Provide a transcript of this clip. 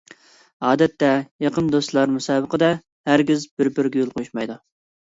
ئادەتتە يېقىن دوستلار مۇسابىقىدە ھەرگىز بىر-بىرىگە يول قويۇشمايدۇ.